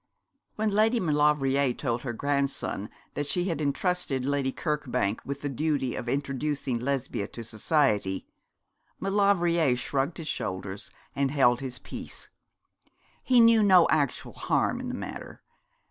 When Lady Maulevrier told her grandson that she had entrusted Lady Kirkbank with the duty of introducing Lesbia to society, Maulevrier shrugged his shoulders and held his peace. He knew no actual harm in the matter.